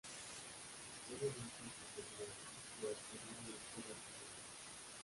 Historia es esta especialidad, y su accionar en la Historia Argentina.